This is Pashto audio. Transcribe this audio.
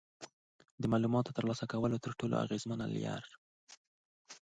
د معلوماتو ترلاسه کولو تر ټولو اغیزمنه لاره